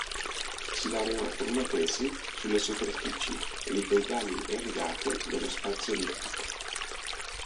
Si laureò con una tesi sulle superfici elicoidali e rigate dello spazio ellittico.